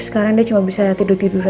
sekarang dia cuma bisa tidur tidur aja